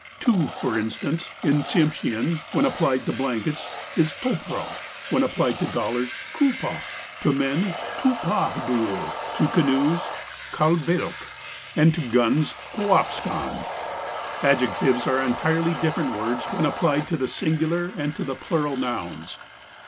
"Two," for instance, in Tsimshean, when applied to blankets, is "topral," when applied to dollars "kupal," to men "tni^ahdool," to canoes "kalbailk," and to guns " koap skan." Adjectives are entirely different words when applied to tlie singular and to the ])lural nouns.